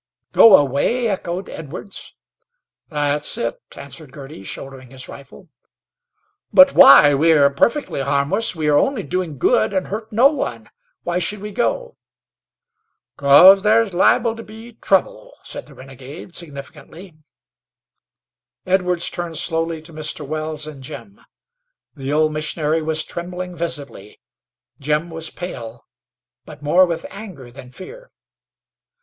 "Go away?" echoed Edwards. "That's it," answered Girty, shouldering his rifle. "But why? We are perfectly harmless; we are only doing good and hurt no one. Why should we go?" "'Cause there's liable to be trouble," said the renegade, significantly. Edwards turned slowly to Mr. Wells and Jim. The old missionary was trembling visibly. Jim was pale; but more with anger than fear.